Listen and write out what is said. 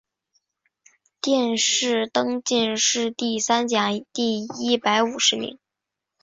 殿试登进士第三甲第一百五十名。